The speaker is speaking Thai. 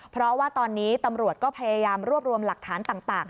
เพราะว่าตอนนี้ตำรวจก็พยายามรวบรวมหลักฐานต่าง